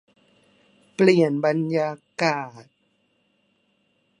เปลี่ยนบรรยากาศ